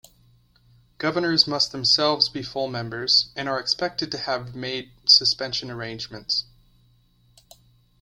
Governors must themselves be full members, and are expected to have made suspension arrangements.